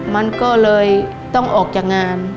มันก็เลยต้องออกจากงาน